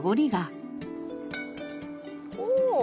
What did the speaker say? おお！